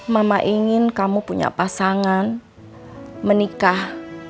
mama ingin kamu punya pasangan menikah